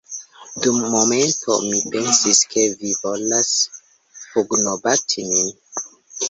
Dum momento, mi pensis, ke vi volas pugnobati min